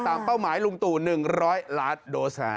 เป้าหมายลุงตู่๑๐๐ล้านโดส